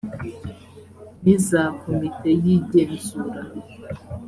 n iza komite y igenzura